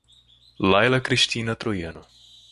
Laila Cristina Troiano